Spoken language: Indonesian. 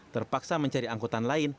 terpaksa mencari angkutan lain